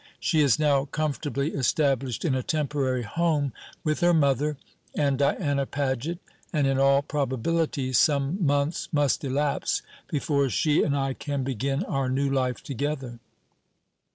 She is now comfortably established in a temporary home, with her mother and Diana Paget; and in all probability some months must elapse before she and I can begin our new life together.